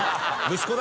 息子だ！